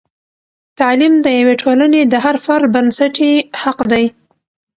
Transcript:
تعلیم د یوې ټولنې د هر فرد بنسټي حق دی.